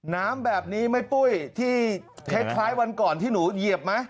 น้ำแบบนี้ไหมปุ้ยที่คล้ายวันก่อนที่หนูเหยียบไหม